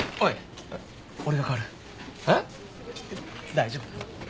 大丈夫。